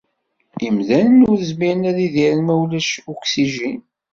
Imdanen ur zmiren ad idiren ma ulac uksijin.